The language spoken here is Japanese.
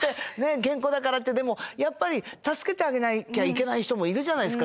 健康だからってでもやっぱり助けてあげなきゃいけない人もいるじゃないですか。